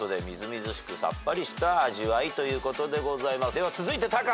では続いてタカ。